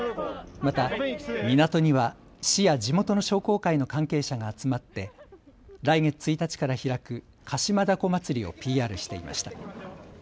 また港には市や地元の商工会の関係者が集まって来月１日から開く鹿島だこ祭をＰＲしていました。